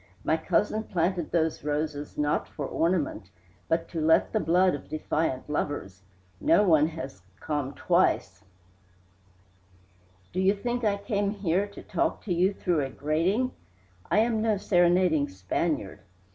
My cousin planted those roses not for ornament, but to let the blood of defiant lovers. Not one has come twice " "Do you think I came here to talk to you through a grating? I am no serenading Spaniard."